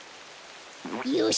よし！